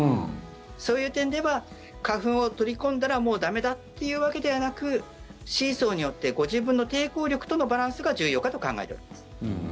そういう点では花粉を取り込んだらもう駄目だっていうわけではなくシーソーによってご自分の抵抗力とのバランスが重要かと考えております。